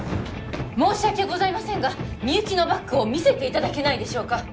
申し訳ございませんがみゆきのバッグを見せていただけないでしょうか